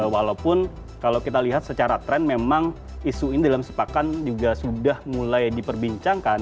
walaupun kalau kita lihat secara tren memang isu ini dalam sepakan juga sudah mulai diperbincangkan